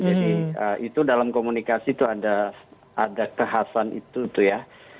jadi itu dalam komunikasi itu ada kehasan itu ya